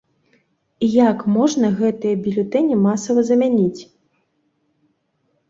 І як можна гэтыя бюлетэні масава замяніць?!